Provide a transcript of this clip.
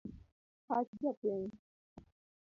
Pach jopiny..